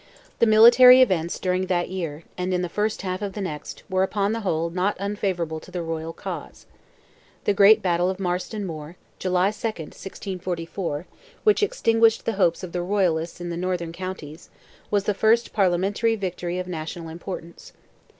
The military events during that year, and in the first half of the next, were upon the whole not unfavourable to the royal cause. The great battle of Marston Moor, (July 2nd, 1644,) which "extinguished the hopes of the Royalists in the Northern counties," was the first Parliamentary victory of national importance.